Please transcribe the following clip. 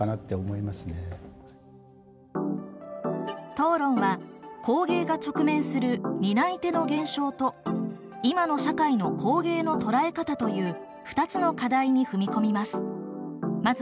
討論は工芸が直面する「担い手の減少」と「今の社会の工芸の捉え方」という２つの課題に踏み込みます。